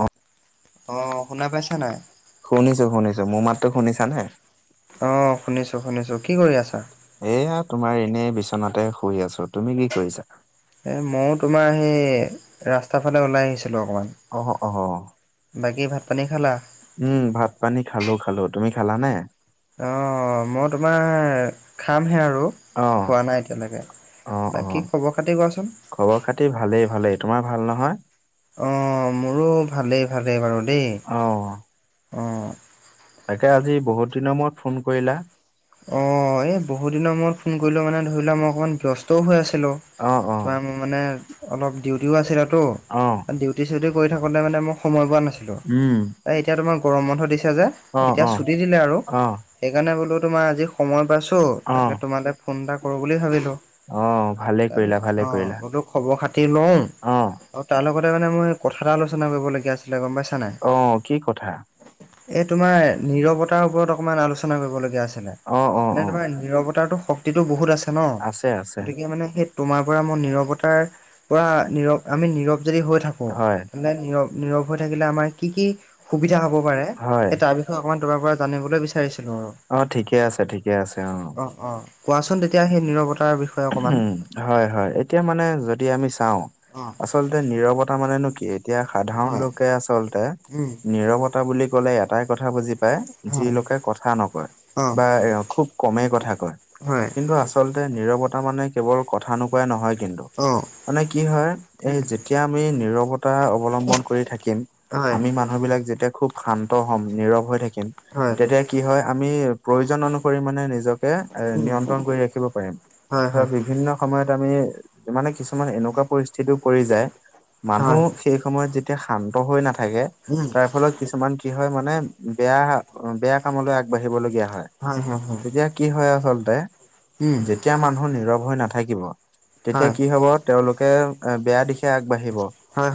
অ শুনা পাইছা নাই? শুনিছো, শুনিছো। মোৰ মাতো শুনিছা নে? অ শুনিছো, শুনিছো। কি কৰি আছা? এয়া তোমাৰ এনেই বিচনাতে শুই আছো। তুমি কি কৰিছা? এ মইও তোমাৰ সেই ৰাস্তা ফালে ওলাই আহিছ- খেল অকমান, অ অ বাকী ভাত পানী খালা? উম ভাত পানী খালো, খালো। তুমি খালা নে? অ মই তোমাৰ খামহে আৰু অ খোৱা নাই এতিয়ালেকে। অ অ খবৰ খাতি ভালেই ভালেই। তোমাৰ ভাল নহয়? অ মোৰো ভালেই ভালেই বাৰু দেই, অ অ। তাকে আজি বহুত দিনৰ মূৰত ফোন কৰিলা? অ এই বহুত দিনৰ মূৰত ফোন কৰিলো মানে ধৰি লোৱা মই অকমান ব্যস্তও হৈ আছিলোঁ। অ অ তোমাৰ মানে অলপ ডিউটিও আছিলে ত, অ ডি- ডিউটি চিউটি কৰি থাকোঁতে মানে মই সময় পোৱা নাছিলো। উম এতিয়া তোমাৰ গৰম বন্ধ দিছ- তিয়া যে অ এতিয়া অ ছুটি দিলে আৰু অ সেইকাৰণে বোলো তোমাৰ আজি সময় পাইছো অ তাকে তোমালে ফোন এটা কৰো বুলি ভাবিলো অ ভালে কৰিলা ভালে অ কৰিলা গলোক খবৰ খাতি লওঁ অ আৰু তাৰ লগতে মানে মই কথা এটা আলোচনা কৰিব লগীয়া আছিলে গম পাইছ- অ কি কথা? এই তোমাৰ নিৰৱতাৰ ওপৰত অকমান আলোচনা কৰিবলগীয়া আছিলে অ অ মানে অ তোমাৰ নিৰৱতাৰটো শক্তিটো বহুত আছে ন আছে আছে গতিকে মানে সেই তোমাৰ পৰা মই নিৰৱতাৰ পৰা নীৰৱ আমি নীৰৱ যদি হৈ থাকোঁ হয় মানে নীৰৱ নীৰৱ হৈ থাকিলে আমাৰ কি কি সুবিধা হব পাৰে হয় সেই তাৰ বিষ- অকণমান তোমাৰ পৰা জানিবলৈ বিচাৰিছিলো আৰু। অ ঠিকে আছে ঠিকে আছে অ অ কোৱাচোন তেতিয়া সেই নিৰৱতাৰ বিষয়ে অকমান। হয় হয় এতিয়া মানে যদি আমি চাওঁ অ আচলতে নিৰৱতা মানে নো কি এতিয়া সাধাৰণ হয় লোকে আচলতে উম নীৰৱতা বুলি কলে এটাই কথা বুজি পায়, যি হয় লোকে কথা নকয়। অ বা এ খুব কমেই কথা কয়, হয় কিন্তু আচলতে নীৰৱতা মানে কেৱল কথা নোকোৱাই নহয় কিন্তু। অ মানে কি হয় এই যেতিয়া আমি নিৰৱত- তা অৱলম্বন কৰি থাকিম আমি মানুহবিলাক যেতিয়া খুব শান্ত হ'ম নীৰৱ হৈ থাকিম হয় হয় তেতিয়া কি হয় আমি প্ৰয়োজন অনুসৰি মানে নিজকে এ উম নিয়ন্ত্ৰণ কৰি ৰাখিব পাৰিম। হয় হয় ধৰক বিভিন্ন সময়ত আমি মানে কিছুমান এনেকুৱা পৰিস্থিতিও পৰি যায় মানুহ হয় সেই সময়ত যেতিয়া শান্ত হৈ নাথাকে উম তাৰ ফলত কিছুমান কি হয় মানে বেয়া বেয়া কামলৈ আগবাঢ়িব লগীয়া হয় হয় হয় তেতিয়া কি হয় আচলতে যেতিয়া মানুহ নীৰৱ হৈ নাথাকিব তেতিয়া হয় কি হব তেওঁলোকে বেয়া দিশে আগবাঢ়িব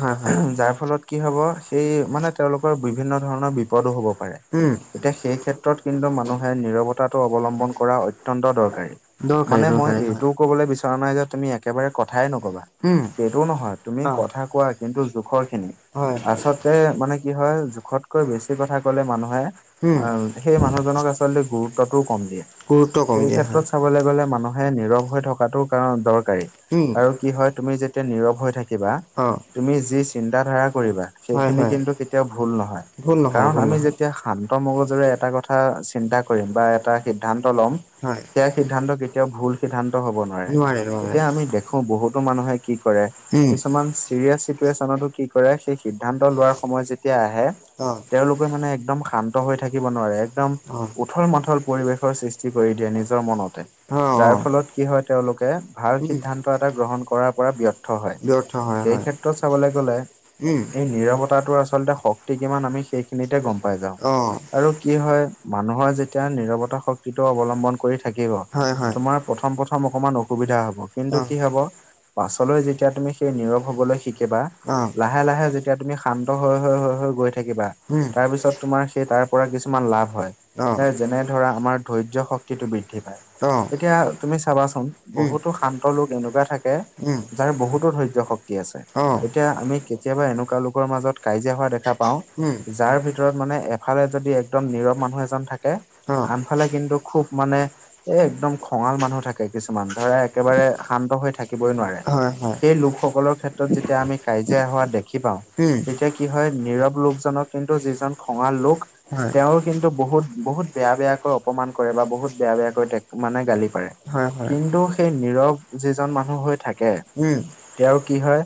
হয় হয় হয় যাৰ ফলত কি হব সেই মানে তেওঁলোকৰ বিভিন্ন ধৰণৰ বিপদো হ'ব পাৰে। উম এতিয়া সেই ক্ষেত্ৰত কিন্তু মানুহে নিৰৱতাটো অৱলম্বন কৰা অত্যন্ত দৰকাৰী। দৰকাৰী মানে মই দৰকাৰী হয় এইটোও কবলৈ বিচৰা নাই যে তুমি একেবাৰে কথাই নকবা। উম সেইটোও নহয়, তুমি অ কথা কোৱা কিন্তু জোখৰ খিনি। হয় আচলতে মানে কি হয়, জোখতকৈ বেছি কথা ক'লে মানুহ হয় উম সেই মানুহজনক আচ- জল্ডি গুৰুত্বটোও কম দিয়ে। গুৰুত্ব কম সেই দিয়া হয় ক্ষেত্ৰত চাবলৈ গলে মানুহে নীৰৱ হৈ থকাটো কাৰণ দৰকাৰী। উম আৰু কি হয় তুমি যেতিয়া নীৰৱ হৈ থাকিবা অ তুমি যি চিন্ত ধাৰা কৰিবা। হয় সেইখিনি হয় কিন্তু কেতিয়াও ভুল নহয় ভুল নহয় কাৰণ ভুল আমি নহয় যেতিয়া শান্ত মগজুৰে এটা কথা চি- [unintelligible] এটা সিদ্ধান্ত লম। সেই সিদ্ধান্ত কেতিয়াও ভূল সিদ্ধান্ত হব নোৱাৰে। নোৱাৰে এতিয়া আমি দেখো বহুতো মানুহে কি উম কৰে---কিছুমান চিৰিয়াছ চিটুৱেচনতো কি সেই সিদ্ধান্ত লোৱাৰ সময়ত যেতিয়া আহে অঁ, তেওঁলোকে মানে একদম শান্ত হৈ থাকিব নোৱাৰে একদম অহ, [unintelligible] উথল মাথল পৰিৱেশৰ হয় সৃষ্টি কৰি দিয়ে নিজৰ মনতে। অঁহ যাৰ [unintelligible] ফলত কি হয় তেওঁলোকে ভাল সিদ্ধান্ত এটা গ্ৰহণ কৰাৰ পৰা ব্যৰ্থ হয়। [unintelligible] ব্যৰ্থ হয় সেই হয়। ক্ষেত্ৰত চাবলৈ গ'লে উম, এই নিৰৱতাটোৰ আচলতে শক্তি কিমান আমি সেইখিনিতে গম পাই যাওঁ। [unintelligible] অ আৰু কি হয় [unintelligible] [unintelligible] মানুহৰ যেতিয়া নিৰৱতা শক্তিটো অৱলম্বন কৰি থাকিব হয়, হয়। তোমাৰ প্ৰথম প্ৰথম অকমান অসুবিধা হব কিন্তু অঁহ কি হব পাছলৈ যেতিয়া তুমি সেই নীৰৱ হবলৈ শিকিবা [unintelligible] লাহে লাহে লাহে-লাহে যেতিয়া তুমি তেতিয়া শান্ত সান্ত হৈ হৈ গৈ থাকিবা [unintelligible] তাৰ পিছত উম, তোমাৰ সেই তাৰ পৰা কিছুমান লাভ হয়। এ যেনে উম অ ধৰা আমাৰ ধৈৰ্য অ', শক্তিটো বৃদ্ধি পায়, এতিয়া তুমি চাবাচোন উম, বহুতো শান্ত লোক এনেকুৱা থাকে, উম, যাৰ বহুতো ধৈৰ্য শক্তি আছে অ', এতিয়া আমি কেতিয়াবা এনেকুৱা লোকৰ মাজত কাজিয়া হোৱা দেখা পাওঁ উম, যাৰ ভিতৰত মানে এফালে যদি একদম নীৰৱ মানুহ এজন থাকে, অ'। আনফালে কিন্তু খুব মানে এ একদম খঙাল মানুহ থাকে কিছুমান। ধৰা একেবাৰে শান্ত হৈ থাকিবই নোৱাৰে। হয়, হয়, সেই লোকসকলৰ ক্ষেত্ৰত যেতিয়া আমি কাজিয়া হোৱা দেখি পাওঁ উম, তেতিয়া কি হয়, নীৰৱ লোকজনক কিন্তু যিজন খঙাল লোক, হয়। তেওঁৰ কিন্তু বহুত-বহুত বেয়া বেয়াকৈ অপমান কৰে বা বহুত বেয়া-বেয়াকৈ মানে টে গালি পাৰে। হয়, হয়, কিন্তু সেই নীৰৱ যিজন মানুহ হৈ থাকে, উম, তেওঁৰ কি হয়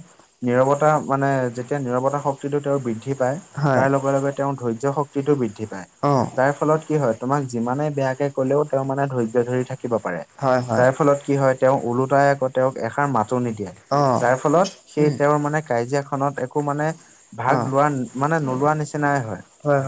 নিৰৱতা মানে যেতিয়া নিৰৱতা শক্তিটো তেওঁ বৃদ্ধি পায়, হয়, তাৰ লগে-লগে তেওঁ ধৈৰ্য্য শক্তিটো বৃদ্ধি পায়। অ', যাৰ ফলত কি হয়, তোমাক যিমানে বেয়াকে ক'লেও তেওঁ মানে ধৈৰ্য্য ধৰি থাকিব পাৰে। হয়, হয়। যাৰ ফলত কি হয় তেওঁ ওলোটাই আকৌ তেওঁক এষাৰ মাটো নিদিয়ে। অ', যাৰ ফলত সেই উম, তেওঁৰ মানে কাজিয়াখনত একো মানে ভাগ লোৱা অ'। মানে নোলোৱা নিচিনাই হয়।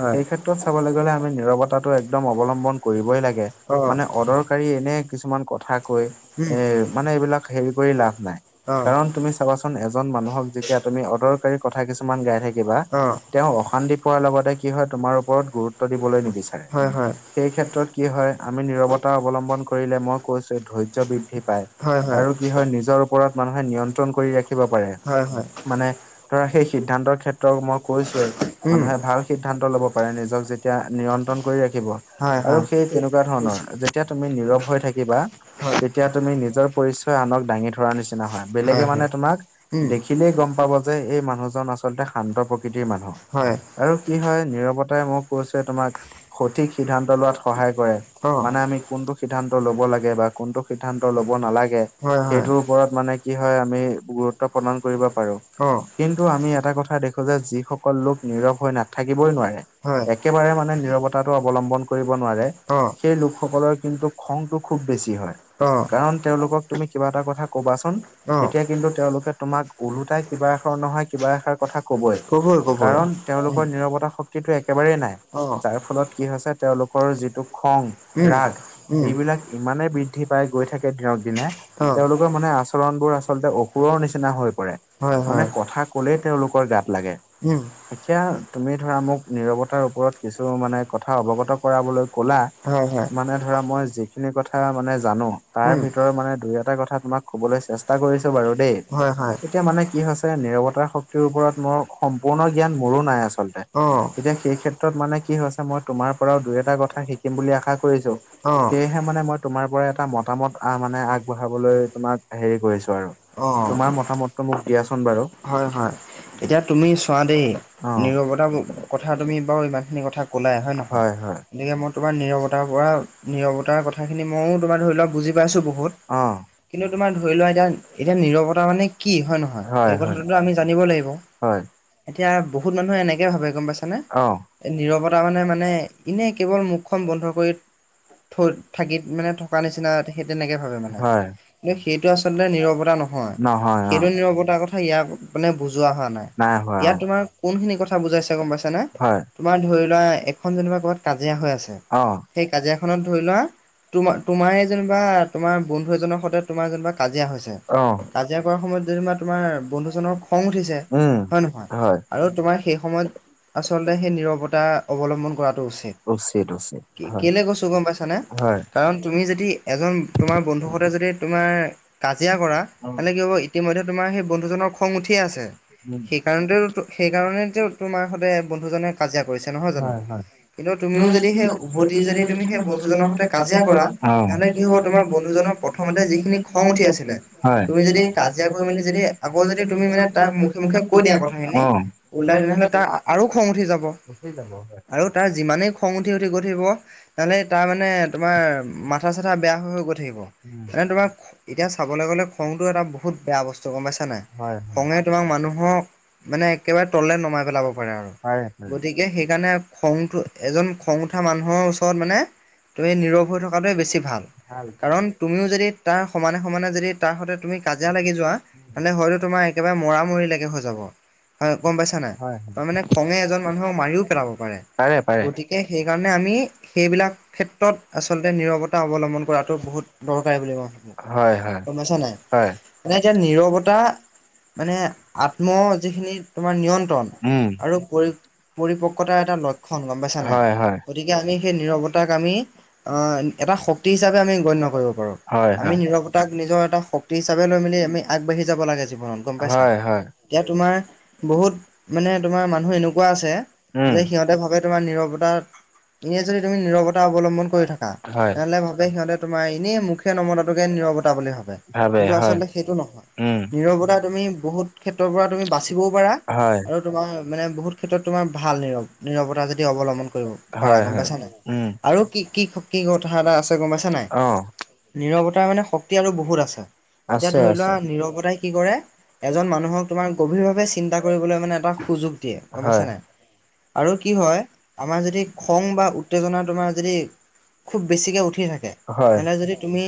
সেই ক্ষেত্ৰত চাবলৈ গলে আমি নিৰৱতাটো একদম অৱলম্বন কৰিবই লাগে। অ', মানে অদৰকাৰী এনে কিছুমান কথা কৈ, এ উম, মানে এইবিলাক হেৰি কৰি লাভ নাই। অ', কাৰণ তুমি চাবাচোন এজন মানুহক যেতিয়া তুমি অদৰকাৰী কথা কিছুমান গাই থাকিবা, অ', তেওঁ অশান্তি পোৱাৰ লগতে কি হয় তোমাৰ ওপৰত গুৰুত্ব ৰুত্ব দিবলৈ নিবিচাৰে। হয়, হয়, সেই ক্ষেত্ৰত কি হয় আমি নিৰৱতা অৱলম্বন কৰিলে ম কৈছে ধৈৰ্য্য বৃদ্ধি পায় আৰু কি হয় নিজৰ ওপৰত মানুহে নিয়ন্ত্ৰণ কৰি ৰাখিব পাৰে। হয়, হয়। মানে ধৰা সেই সিদ্ধান্তৰ ক্ষেত্ৰত মই কৈছোয়ে উম, মানুহে ভাল সিদ্ধান্ত ল'ব পাৰে নিজক যেতিয়া নিয়ন্ত্ৰণ কৰি ৰাখিব হয়, আৰু সেই হয়। তেনেকুৱা ধৰণৰ, যেতিয়া তুমি নীৰৱ হৈ থাকিবা, তেতিয়া তুমি নিজৰ পৰিচয় আনক দাঙি ধৰাৰ নিচিনা হয়। বেলেগে মানে তোমাক দেখিলেই গম পাব যে, এই মানুহজন আচলতে শান্ত প্ৰকৃতিৰ মানুহ। পাবা হয় আৰু কি হয় নীৰৱতাই মোক [unintelligible] তোমাক সঠিক সিদ্ধান্ত লোৱাত সহায় কৰে। অ মানে আমি কোনটো সিদ্ধান্ত ল'ব লাগে বা কোনটো সিদ্ধান্ত ল'ব নালাগে। হয় হয় সেইটোৰ ওপৰত মানে কি হয় আমি গুৰুত্ব প্ৰদান কৰিব পাৰো। অ কিন্তু আমি এটা কথা দেখো যে যিসকল লোক নীৰৱ হৈ নাথাকিবই নোৱাৰে হয় এক একেবাৰে মানে নিৰৱতাটো অৱলম্বন কৰিব নোৱাৰে। অ সেই লোকসকলৰ কিন্তু খংটো খুব বেছি হয়। অ কাৰণ তেওঁলোকক তুমি কিবা এটা কথা কবাচোন, অ তেতিয়া কিন্তু তেওঁলোকে তোমাক- ওলোটাই কিবা এষৰ নহয় কিবা এষাৰ কথা কবই কাৰণ- তেওঁলোকৰ উম নিৰৱতা শক্তিটো একেবাৰেই নাই। অ যাৰ ফলত কি হৈছে তেওঁলোকৰ যিটো খং, উম ৰাগ উম এইবিলাক ইমানেই বৃদ্ধি উঠি পাই গৈ থাকে দিনক-দিনে অ তেওঁলোকৰ মানে আচৰণ বোৰ আচলতে অসুৰৰ নিচিনা হৈ পৰে। হয় মানে হয় কথা ক'লে তেওঁলোকৰ গাত লাগে। উম এতিয়া তুমি ধৰা মোক নিৰৱতাৰ ওপৰত কিছু মানে কথা অৱগত কৰাবলৈ কলা হয় হয় মানে ধৰা মই যিখিনি কথা মানে জানো তাৰ উম ভিতৰত মানে দুই এটা কথা তোমাক কবলৈ চেষ্টা কৰিছো বাৰু দেই হয় হয় এতিয়া মানে কি হৈছে নিৰৱতাৰ শক্তিৰ ওপৰত মোৰ সম্পূৰ্ণ জ্ঞান মোৰো নাই আচলতে অ তেতিয়া সেই ক্ষে ত্ৰত মানে কি হৈছে মই তোমাৰ পৰা দুই এটা কথা শিকিম বুলি আশা কৰিছো অ সেয়েহে মানে মই তোমাৰ পৰা এটা মতামত আ মানে আগবঢ়াবলৈ তোমাক হেৰি কৰিছো আৰু। অ তোমাৰ মতামততো মোক দিয়াচোন বাৰু। হয় হয়, এতিয়া তুমি চোৱা দেই অ নিৰৱতা কথা তুমি বাৰু ইমানখিনি কথা- কলাই হয় নহয়, হয় গতিকে মই তোমাৰ নীৰৱতাৰ পৰা- নিৰৱতাৰ কথাখিনি ময়ো তোমাৰ ধৰি লওক বুজি পাইছোঁ বহুত। অ কিন্তু তোমাৰ ধৰি লোৱা এতিয়া এতিয়া নিৰৱতা মানে কি হয় নহয় এই কথাটোতো আমি জানিব লাগিব। হয় এতিয়া বহুত মানুহে এনেকৈ ভাবে গম পাইছানে। অ। নিৰৱতা মানে মানে এনেই কেৱল মুখখন বন্ধ কৰি- থ থাকি মানে থকা নিচিনা তেখেত তেনেকে ভাবে মানে। হয় কিন্তু সেইটো আচলতে নিৰৱতা নহয়। সেইটো নিৰৱতাৰ কথা ইয়াক- মানে বুজোৱা হোৱা নাই। হোৱা ইয়াত অ। তোমাৰ কোন খিনি কথা বুজাইছে গম পাইছে নে- হয় তোমাৰ ধৰি লোৱা এখন যেনিবা ক'ৰবাত কাজিয়া হৈ আছে অ সেই কাজিয়াখনত- ধৰি লোৱা তোমাৰ তোমাৰেই যেনিবা তোমাৰ বন্ধু এজনৰ সৈতে তোমাৰ যেনিবা- কাজিয়া হৈছে, অ কাজিয়া কৰা সময়ত যেনিবা তোমাৰ বন্ধু জনৰ খং উঠিছে- উম। হয় নহয় আৰু তোমাৰ সেই সময়ত আচলতে সেই নিৰৱতা অৱলম্বন কৰাটো উচিত। কেলে কৈছোঁ গম পাইছানে। হয় কাৰণ তুমি যদি এজন তোমাৰ বন্ধুসতে যদি তোমাৰ- কাজিয়া কৰা উম মানে কি হ'ব ইতিমধ্যে তোমাৰ সেই বন্ধুজনৰ খং উঠিয়ে আছে- উম সেইকাৰণতে সেইকাৰণেতো তোমাৰ সদায় বন্ধুজনে কাজিয়া কৰিছে নহয় জানো। হয় হয় কিন্তু তুমিও যদি সেই উভতি যদি তুমি সেই বন্ধুজনৰসৈতে কাজিয়া কৰা অ তেনেহ'লে কি হ'ব তুমাৰ বন্ধুজনৰ প্ৰম প্ৰথমতে যিখিনি খং উঠি আছিলে হয় তুমি যদি তাত কাজিয়া যাব কৰি মেলি যদি লাগিছিলে আকৌ যদি সকলোতো তুমি মানে তাৰ- তাত মুখে মুখে কৈ দিয়া কথাখিনি ওলতাই তেনে হ'লে তাৰ আৰু খং উঠি যাব গুচি যাব হয় আৰু তাৰ যিমানেই খং উঠি উঠি গৈ থাকিব- তেনে তাৰমানে তোমাৰ মাথা চাথা বেয়া হৈ হৈ গৈ থাকিব। উম মানে তোমাক এতিয়া চাবলৈ গ'লে খংটো এটা বহুত বেয়া বস্তু গম পাইছা নাই। হয় হয় খঙে তোমাক মানুহক- মানে একেবাৰে তললে নমাই পেলাব পাৰে আৰু গতি কে সেইকাৰণে খংটো এজন খং উঠা মানুহৰ ওচৰত মানে- তুমি নীৰৱ হৈ থকাটোৱে বেছি ভাল কাৰণ তুমিও যদি তাৰ সমানে সমানে যদি তাৰ সতে- তুমি কাজিয়া লাগি যোৱা মানে হয়তো তোমাৰ একেবাৰে মৰা মৰিলেকে হৈ যাব, হয় গম পাইছা নাই। হয় হয় তাৰ মানে খঙে এজন মানুহক মাৰিও পেলাব পাৰে গতিকে সেইকাৰণে আমি- সেইবিলাক ক্ষেত্ৰত আচলতে নিৰৱতা অৱলম্বন কৰাটো বহুত দৰকাৰী বুলি মই ভা হয় হয় বো গম পইছা নাই। হয় মানে এতিয়া নীৰৱতা মানে আত্ম যিখিনি তোমাৰ নিয়ন্ত্ৰণ- উম আৰু পৰি পৰিপক্কতাৰ এটা লক্ষণ গম পাইছা নাই। হয় হয় গতিকে আমি সেই নিৰৱ তাক আমি এটা শক্তি হিচাপে আমি গণ্য কৰিব পাৰো। হয় আমি হয় নীৰৱ তাক নিজৰ এটা শক্তি হিচাপে লৈ মেলি আমি আগবাঢ়ি যাব লাগে জীৱনত গম পাইছা। হয় হয় এতিয়া তোমাৰ বহুত মানে তোমাৰ মানুহ এনেকুৱা আছে যে সিহঁতে ভাবে তোমাৰ নিৰৱতা এনেই যদি তুমি নিৰৱতা অৱলম্বন কৰি থাক- তেনেহ'লে ভাবে সিহঁতে তোমাৰ এনে উম মুখে নমতাটোকে নিৰৱতা হয় বুলি ভাব- ভাবে কিন্তু হয় আচলতে সেইটো নহয় উম নিৰৱতা তুমি বহুত ক্ষেত্ৰৰ পৰা তুমি বাচিবও পাৰা হয়। আৰু তোমাৰ মানে বহুত ক্ষেত্ৰত তোমাৰ ভাল নৰৱ। নিৰৱতা যদি অৱলম্বন কৰিব। পাৰা হয় গম হয় পাইছা নাই উম আৰু কি কি কি কথা এটা আছে গম পাইছা নাই। অ নিৰৱতাৰ মানে শক্তি আৰু বহুত আছে। এতিয়া আছে ধৰি লোৱা আছে নিৰৱতাই- কি কৰে এজন মানুহক তোমাৰ গভীৰভাৱে চিন্তা কৰিবলৈ মানে এটা সুযোগ দিয়ে, গম হয় পাইছো নাই আৰু কি হয় আমাৰ যদি খং বা উত্তেজনা তোমাৰ যদি খুব বেছিকৈ উঠি থাকে। হয় তেনে যদি তুমি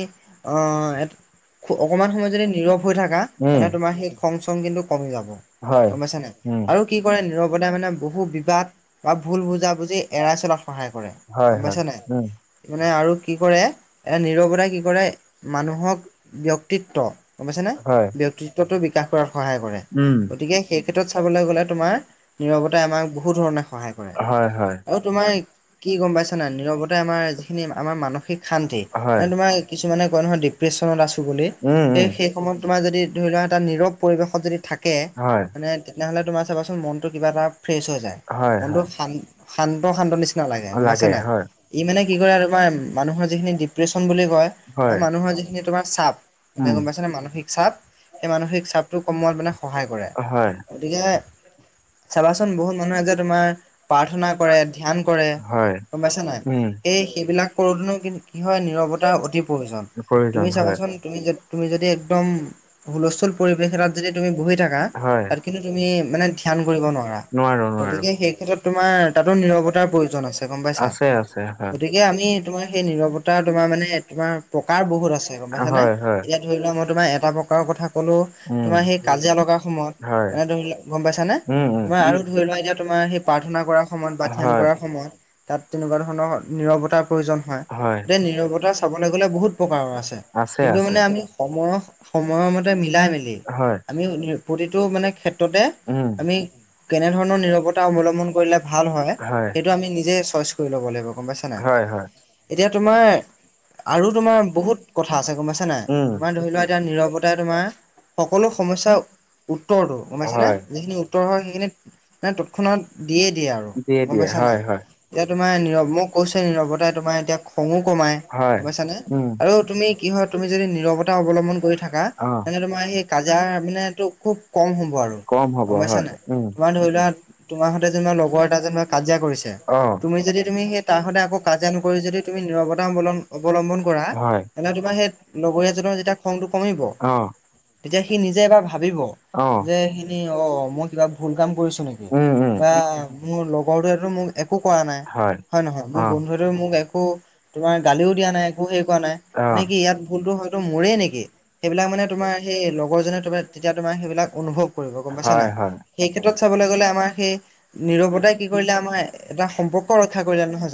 অহ অকমান সময় যদি নীৰৱ হৈ থাকা উম এনে তোমাৰ সেই খং চং কিন্তু কমি যাব, হয় গম পাইছা নাই উম আৰু কি কয় নিৰৱ- লগদে মানে বহু বিবাদ বা ভুল বুজাবুজি এৰাই চলাত সহায় কৰে। হয় গম হয় পাইছা নাই। উম মানে আৰু কি কৰে এ নিৰৱতাই কি কৰে মানুহক ব্যক্তিত্ব। গম পাইছে নে হয় ব্যক্তিত্বটো বিকাশ কৰাত সহায় কৰে, উম গতিকে সেই ক্ষেত্ৰত গলে তোমাৰ নিৰৱতাই আমাক বহু ধৰণ সহায় কৰে। হয় হয় আউত তোমাৰ কি গম পাইছা নাই নীৰৱতাই আমাৰ যিখিনি আমাৰ মানসিক শান্তি। হয় এনে তোমাৰ কিছুমানে কয় নহয় ডিপ্ৰেশচনত আছো বুলি। উম এ উম সে সময়ত তোমাৰ যদি ধৰি লোৱা এটা নীৰৱ পৰিৱেশত যদি থাকে। হয় মানে তেনেহলে তোমাৰ চাবাচোন মনতটো কিবা এটা ফ্ৰেছ হৈ যায় হয় মনতটো হয় শান্ত শান্ত নিচ- নালাগে গম পাইছা লাগে নাই। হয় ই মানে কি কৰে তোমাৰ মানুহৰ যিখিনি ডিপ্ৰেশ্যন বুলি কয়। হয় মানুহৰ যিখিনি তোমাৰ চাপ মানে উম গম পাইছা নে মানসিক চাপ সেই মানসিক চাপটো কমোৱাত মানে সহায় কৰে। হয়। গতিকে চাবাচোন বহুত মানুহে যে তোমাৰ প্ৰাৰ্থনা কৰে। ধ্যান কৰে হয় গম পাইছা নাই। উম এই সেইবিলাক কৰোঁতেনো কি কি হয় নীৰৱত- অতি প্ৰয়োজন প্ৰয়োজন তুমি চাবাচোন তুমি যদ- তুমি যদি একদম হুলস্থুল পৰিৱেশ এটাত যদি তুমি বহি থাকা। হয় তাত কিন্তু তুমি মানে ধ্যান কৰিব নোৱাৰা নোৱাৰো নোৱাৰো গতিকে সেই ক্ষেত্ৰত তোমাৰ তাতো নিৰৱতাৰ প্ৰয়োজন আছে গম পাইছা আছে আছে গতিকে আমি তোমাৰ সেই নিৰৱত- তোমাৰ মানে তোমাৰ প্ৰকাৰ বহুত আছে গম পাইছা নে হয় হয় এতিয়া ধৰি লোৱাক মই তোমাৰ এটা প্ৰকাৰৰ কথা সকলো উম তোমাৰ সেই কাজিয়া লগা সময়ত এনে ধৰি ল গম পাইছানে উম তোমাৰ আৰু ধৰি লোৱা এতিয়া তোমাৰ সেই প্ৰাৰ্থনা কৰাৰ সময়ত বা ধ্যান কৰাৰ হয় সময়ত তাত তেনেকুৱা ধৰণৰ নিৰৱতাৰ প্ৰয়োজন হয়। তে নীৰৱতা চাবলৈ গলে বহুত প্ৰকাৰৰ আছে। কিন্তু মানে আমি সময়ৰ সময়ৰ মতে মিলাই মেলি হয় আমি প্ৰতিট- টো মানে ক্ষেত্ৰতে উম। আমি কেনেধৰণৰ নিৰবতা অবলম্বন কৰিলে ভাল হয়, সেইটো আমি নিজে চইচ কৰিব লব লাগিব গম পাইছা হয় নাই? হয় এতিয়া তোমাৰ আৰু তোমাৰ বহুত কথা আছে গম পাইছা নাই। উম। তোমাৰ ধৰি লোৱা এতিয়া নীৰৱতাই তোমাৰ সকলো সমস্যা উত্তৰটো গম পাইছে নে হয় যিখিনি উত্তৰ হয় সেইখিনিত নাই তৎক্ষণাত দিয়েই দিয়ে আৰু গম দিয়ে পাইছা নাই। হয় হয় এতিয়া তোমাৰ নীৰৱ মক কৈছে নীৰৱতাই তোমাৰ এতিয়া খঙো কমাই হয় গম পাইছা নে। উম আৰু তুমি কি হয় তুমি যদি নিৰৱতা অৱলম্বন কৰি থাকা অ। তেন্তে তোমাৰ সেই কাজাৰ মানে তো খুব। কম হ'ব আৰু কম হ'ব গম পাইছা হয় নাই উম তোমাৰ ধৰি লোৱা। তোমাৰ হতে যেনিবা লগৰ এটা যেন কাজিয়া কৰিছে অ। তুমি যদি তুমি সেই তাহহঁতে আকৌ কাজিয়া নকৰি যদি তুমি নিৰৱতা অৱলম্বলন অৱলম্বন কৰা হয় তেন্তে তোমাৰ সেই লগৰীয়াজনৰ যেতিয়া খংটো কমিব, অ। তেতিয়া সি নিজে এবাৰ ভাবিব। অ'। যে সিখিনি অ 'মই কিবা ভুল কাম কৰিছো নেকি উম, উম, বা মোৰ লগৰটোৱেতো মোক একো কৰা নাই হয় নহয় মোৰ অ'। বন্ধুৱেটো মোক একো তোমাৰ গালিও দিয়া নাই একো হেৰি কৰা নাই মানে অ'। কি ইয়াত ভুলতো হয়তো মোৰেই নেকি? সেইবিলাক মানে তোমাৰ সেই লগৰজনে তোমাৰ তেতিয়া তোমাৰ সেইবিলাক অনুভৱ কৰিব গম পাইছা হয়, নাই। হয়। সেই ক্ষেত্ৰত চাবলৈ গ'লে আমাৰ সে- নীৰৱতাই কি কৰিলে আমাৰ এটা সম্পৰ্ক ৰক্ষা কৰিলে নহয় জান-